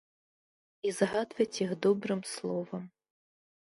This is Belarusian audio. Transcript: І згадваць іх добрым словам!